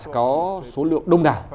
có số lượng đông đảo